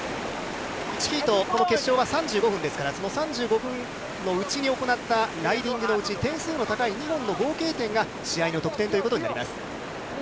１ヒート、この決勝は３５分ですから、その３５分のうちに行ったライディングのうち、点数の高い２本の合計点が試合の得点ということになります。